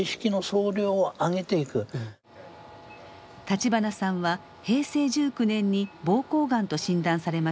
立花さんは平成１９年に膀胱がんと診断されました。